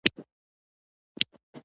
وزې د چړې نه ځان ساتي